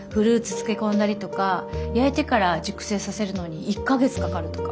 漬け込んだりとか焼いてから熟成させるのに１か月かかるとか。